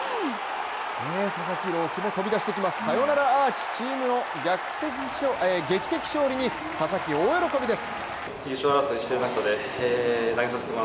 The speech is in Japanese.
佐々木朗希も飛び出してきます、サヨナラアーチチームの劇的勝利に佐々木、大喜びです。